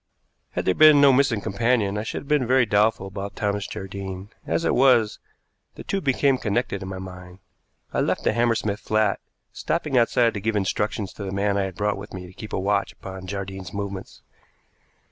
Had there been no missing companion I should have been very doubtful about Thomas Jardine; as it was, the two became connected in my mind. I left the Hammersmith flat, stopping outside to give instructions to the man I had brought with me to keep a watch upon Jardine's movements.